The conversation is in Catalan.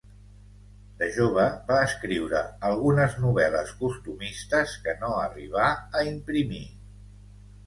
De jove va escriure algunes novel·les costumistes que no arribà a imprimir.